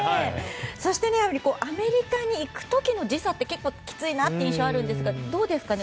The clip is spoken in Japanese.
そしてアメリカに行く時の時差って結構きついなって印象があるんですが、どうですかね